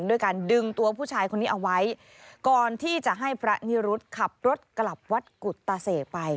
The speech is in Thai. ด้วยการดึงตัวผู้ชายคนนี้เอาไว้ก่อนที่จะให้พระนิรุธขับรถกลับวัดกุตตาเสกไป